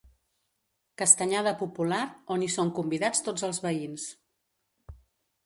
Castanyada popular on hi són convidats tots els veïns.